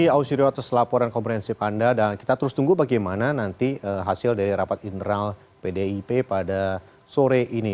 ausirio atas laporan komprehensif anda dan kita terus tunggu bagaimana nanti hasil dari rapat internal pdip pada sore ini